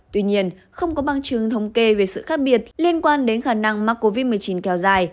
tuy nhiên không có băng trường thống kê về sự khác biệt liên quan đến khả năng mắc covid một mươi chín kéo dài